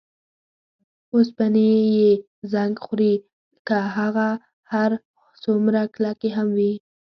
اوسپنې یې زنګ خوري که هغه هر څومره کلکې هم وي.